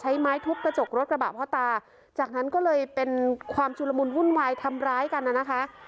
ไม้ทุบกระจกรถกระบะพ่อตาจากนั้นก็เลยเป็นความชุลมุนวุ่นวายทำร้ายกันน่ะนะคะ